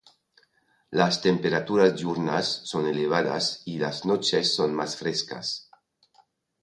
Las temperaturas diurnas son elevadas y las noches son más frescas.